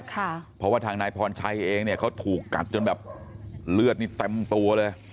เพราะว่าทางนายพรชัยเองเนี่ยเขาถูกกัดจนแบบเลือดนี่เต็มตัวเลย